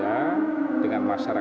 itu dengan dua speed